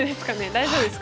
大丈夫です。